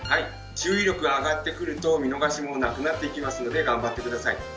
注意力が上がってくると見逃しもなくなってきますので頑張って下さい。